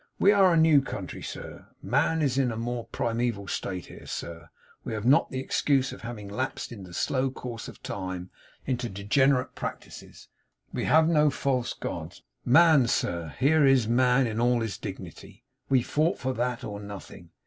We are a new country, sir; man is in a more primeval state here, sir; we have not the excuse of having lapsed in the slow course of time into degenerate practices; we have no false gods; man, sir, here, is man in all his dignity. We fought for that or nothing.